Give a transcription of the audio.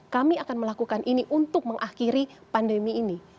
kami akan melakukan ini untuk mengakhiri pandemi ini